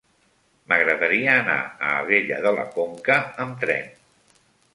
M'agradaria anar a Abella de la Conca amb tren.